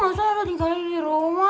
masa lo tinggalin di rumah